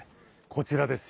こちらです。